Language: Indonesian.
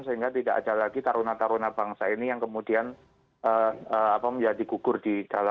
sehingga tidak ada lagi taruna taruna bangsa ini yang kemudian ya dikukur di dalam tugas gitu renhard